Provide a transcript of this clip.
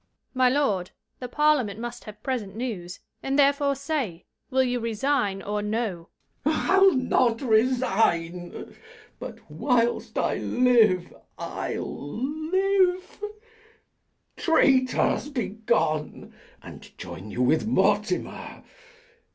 _ My, lord, the parliament must have present news; And therefore say, will you resign or no? [The king rageth. K. Edw. I'll not resign, but, whilst I live, [be king]. Traitors, be gone, and join you with Mortimer.